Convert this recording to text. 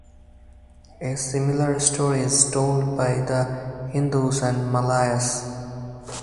A similar story is told by the Hindus and Malays.